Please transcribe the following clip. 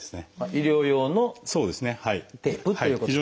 医療用のテープっていうことですか。